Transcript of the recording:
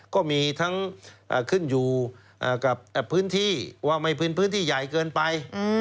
ก็มีทั้งขึ้นอยู่กับพื้นที่ว่าไม่เป็นพื้นที่ใหญ่เกินไป